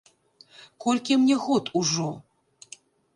Колькі мне год ужо?